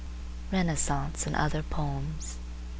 Renascence and Other Poems.